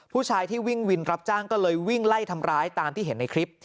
ผู้ชายที่วิ่งวินรับจ้างก็เลยวิ่งไล่ทำร้ายตามที่เห็นในคลิป